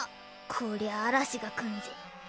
こりゃあ嵐が来んぜ。